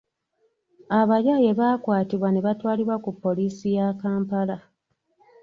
Abayaaye baakwatibwa ne batwalibwa ku poliiisi ya Kampala.